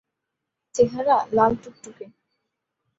চেহারা লাল টুকটুকে।